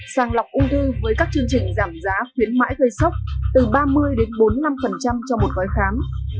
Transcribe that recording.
sàng lọc ung thư với các chương trình giảm giá khuyến mãi gây sốc từ ba mươi đến bốn mươi năm cho một gói khám